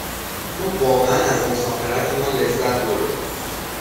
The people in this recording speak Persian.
ما واقعاً از مسافرتمان لذت بردیم.